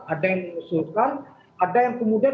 ada yang mengusulkan ada yang kemudian